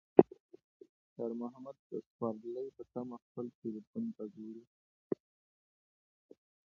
خیر محمد د سوارلۍ په تمه خپل تلیفون ته ګوري.